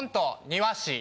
「庭師」。